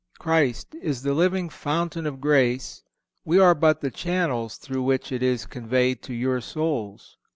Christ is the living Fountain of grace: we are but the channels through which it is conveyed to your souls.